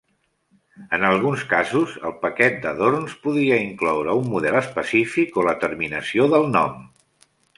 En alguns casos, el paquet d"adorns podia incloure un model específic o la terminació del nom.